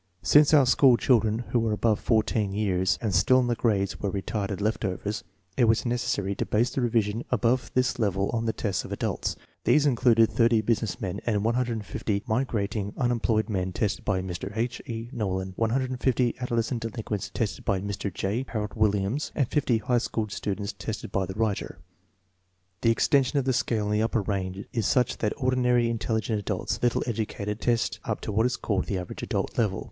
Since our school children who were above 14 years and still in the grades were retarded left overs, it was neces sary to base the revision above this level on the tests of adults. These included 30 business men and 150 " migrat ing " unemployed men tested by Mr. H. E. Ivnollin, 150 adolescent delinquents tested by Mr. J. Harold Williams, and 50 high school students tested by the writer. The extension of the scale in the upper range is such that ordinarily intelligent adults, little educated, test up to what is called the " average adult " level.